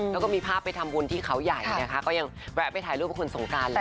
แล้วก็มีภาพไปทำบุญที่เขาใหญ่นะคะก็ยังแวะไปถ่ายรูปกับคุณสงการแหละ